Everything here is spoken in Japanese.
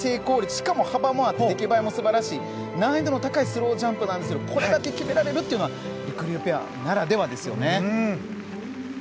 しかも幅もあって出来栄えも素晴らしい難易度の高いスロージャンプですがこれだけ決められるというのはりくりゅうペアならではですね。